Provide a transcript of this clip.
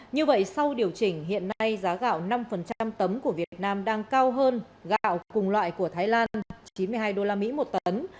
như vậy sau điều chỉnh hiện nay giá gạo năm tấm của việt nam đang cao hơn gạo cùng loại của thái lan chín mươi hai usd một tấn